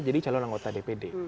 jadi calon anggota dpd